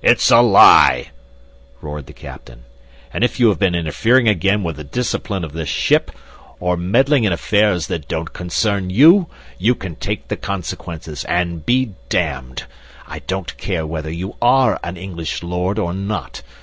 "It's a lie!" roared the captain. "And if you have been interfering again with the discipline of this ship, or meddling in affairs that don't concern you you can take the consequences, and be damned. I don't care whether you are an English lord or not.